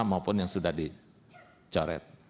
maupun yang sudah dicoret